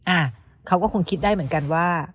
อ่ะเขาก็คงคิดได้เหมือนกันว่า